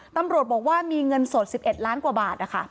ตำรวจบอกว่ามีเงินสด๑๑ล้านกว่าบาทนะคะ